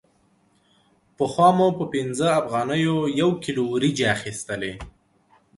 پخوا مو په پنځه افغانیو یو کیلو وریجې اخیستلې